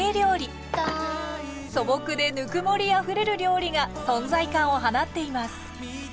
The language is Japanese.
素朴でぬくもりあふれる料理が存在感を放っています。